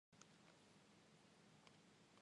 Tolong perbaiki ini.